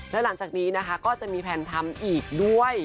และหลังจากนี้นะคะก็จะมีแพลนทำอีกด้วย